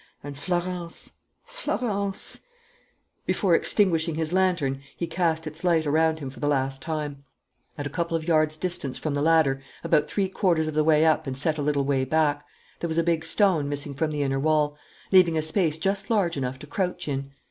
And Florence Florence " Before extinguishing his lantern, he cast its light around him for the last time. At a couple of yards' distance from the ladder, about three quarters of the way up and set a little way back, there was a big stone missing from the inner wall, leaving a space just large enough to crouch in.